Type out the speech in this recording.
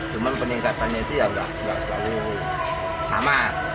cuman peningkatannya itu ya udah gak selalu sama